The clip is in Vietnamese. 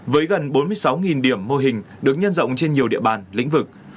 với gần bốn mươi sáu điểm mô hình được nhân rộng trên nhiều địa bàn lĩnh vực